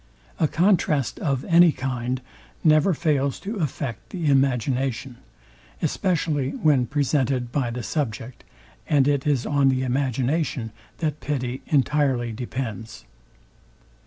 A contrast of any kind never fails to affect the imagination, especially when presented by the subject; and it is on the imagination that pity entirely depends.